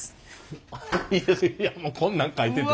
いやいやもうこんなん描いてる。